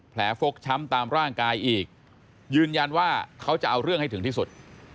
ฟกช้ำตามร่างกายอีกยืนยันว่าเขาจะเอาเรื่องให้ถึงที่สุด